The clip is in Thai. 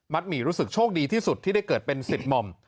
หมี่รู้สึกโชคดีที่สุดที่ได้เกิดเป็นสิทธิ์หม่อม